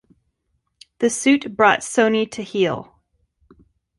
The suit brought Sony to heel.